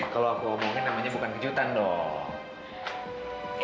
kalau aku omongin namanya bukan kejutan dong